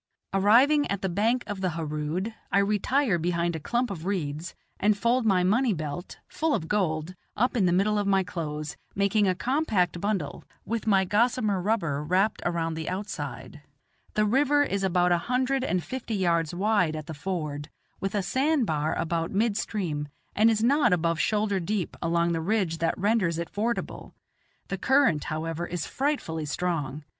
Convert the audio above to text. Arriving at the bank of the Harood, I retire behind a clump of reeds, and fold my money belt, full of gold, up in the middle of my clothes, making a compact bundle, with my gossamer rubber wrapped around the outside. The river is about a hundred and fifty yards wide at the ford, with a sand bar about mid stream, and is not above shoulder deep along the ridge that renders it fordable; the current, however, is frightfully strong.